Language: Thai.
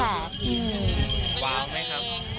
วางไหมครับ